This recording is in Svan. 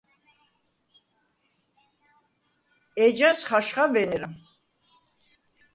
ეჯას ხაჟხა ვენერა.